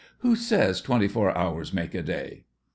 Who says twenty four hours make a day?